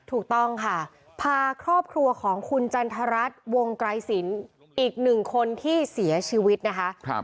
ถูกต้องค่ะพาครอบครัวของคุณจันทรัฐวงไกรสินอีกหนึ่งคนที่เสียชีวิตนะคะ